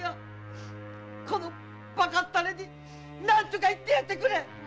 このバカッタレに何とか言ってやってくれ！